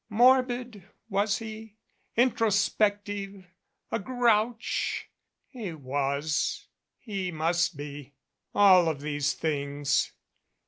Morbid was he? Introspective? A "grouch"? He was he must be all of these things.